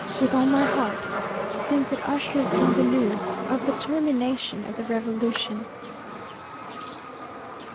with all my heart, since it ushers in the news of the termination of the revolution.